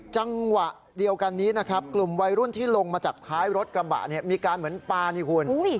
จังหวะเดียวกันนี้นะครับกลุ่มวัยรุ่นที่ลงมาจากท้ายรถกระบะเนี่ยมีการเหมือนปลานี่คุณ